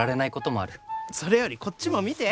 それよりこっちも見て！